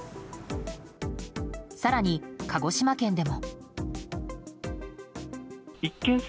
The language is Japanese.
更に鹿児島県でも。